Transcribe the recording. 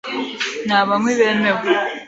Nta banywi bemewe .